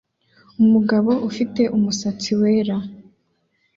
Umugabo ufite umusatsi wera